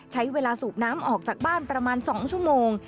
ใช้เวลาสูบน้ำออกจากบ้านประมาณ๒ชั่วโมง